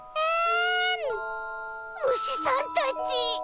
むしさんたち。